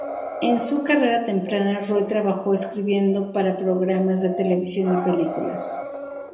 En su carrera temprana, Roy trabajó escribiendo para programas de televisión y películas.